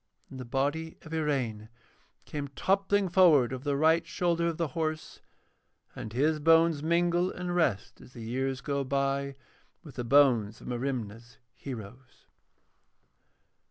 Then the body of Iraine came toppling forward over the right shoulder of the horse, and his bones mingle and rest as the years go by with the bones of Merimna's heroes.